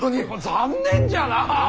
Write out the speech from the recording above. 残念じゃなあ！